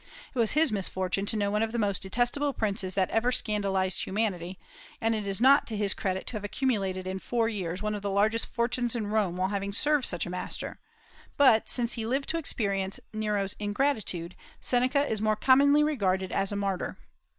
It was his misfortune to know one of the most detestable princes that ever scandalized humanity, and it is not to his credit to have accumulated in four years one of the largest fortunes in Rome while serving such a master; but since he lived to experience Nero's ingratitude, Seneca is more commonly regarded as a martyr.